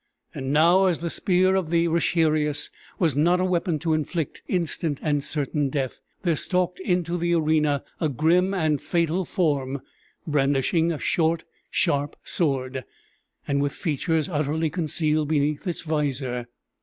And now, as the spear of the retiarius was not a weapon to inflict instant and certain death, there stalked into the arena a grim and fatal form, brandishing a short, sharp sword, and with features utterly concealed beneath its visor.